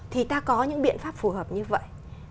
thì ta có những biện pháp phù hợp như vậy